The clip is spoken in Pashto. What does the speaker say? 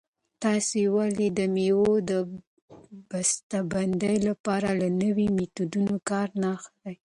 تاسې ولې د مېوو د بسته بندۍ لپاره له نویو میتودونو کار نه اخلئ؟